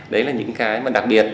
đấy là những cái mà đặc biệt